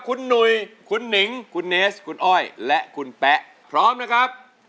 คุณหนุ่ยคุณหนิงคุณเนสคุณอ้อยและคุณแป๊ะพร้อมนะครับ